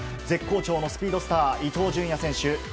絶好調のスピードスター伊東純也選手